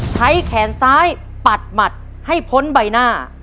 ใช้แขนซ้ายปัดหมัดให้พ้นใบหน้า